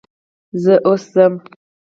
زه اوس ځم .